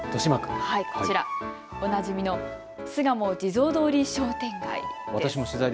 こちら、おなじみの巣鴨地蔵通り商店街。